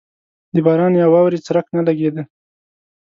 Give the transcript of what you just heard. د باران یا واورې څرک نه لګېده.